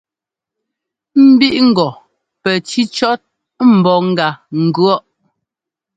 Mbíʼ ŋgɔ pɛ cícʉɔ́t mbɔ́ gá ŋgʉ̈ɔʼ.